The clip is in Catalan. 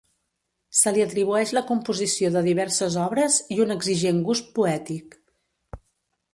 Se li atribueix la composició de diverses obres i un exigent gust poètic.